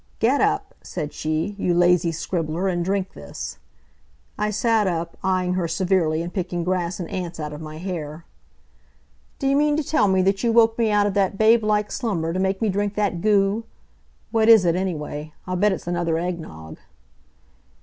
"Get up," said she, "you lazy scribbler, and drink this." I sat up, eyeing her severely and picking grass and ants out of my hair. "D' you mean to tell me that you woke me out of that babe like slumber to make me drink that goo? What is it, anyway? I'll bet it's another egg nogg."